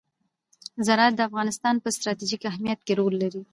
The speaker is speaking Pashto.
زراعت د افغانستان په ستراتیژیک اهمیت کې رول لري.